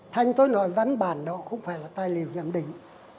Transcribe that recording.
thành tôi nói văn bản đó không phải là tài liệu giám định